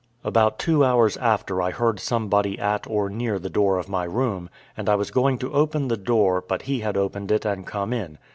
About two hours after I heard somebody at or near the door of my room, and I was going to open the door, but he had opened it and come in.